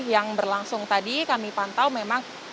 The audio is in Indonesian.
yang berlangsung tadi kami pantau memang